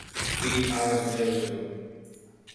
B. Thomas Middle School.